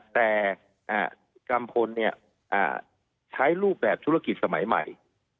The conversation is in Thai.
แต่กัมพลใช้รูปแบบธุรกิจสมัยใหม่